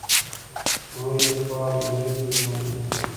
نوی لیکوال نوې دنیا معرفي کوي